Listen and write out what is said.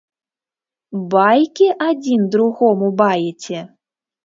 Байкі адзін другому баеце?!